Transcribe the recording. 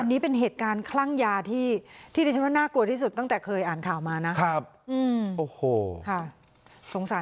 อันนี้เป็นเหตุการณ์คลั่งยาที่ต้องเชิญว่าน่ากลัวที่สุดตั้งแต่เคยอ่านข่าวมานะ